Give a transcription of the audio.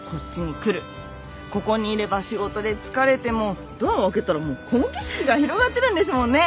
ここにいれば仕事で疲れてもドアを開けたらもうこの景色が広がってるんですもんね。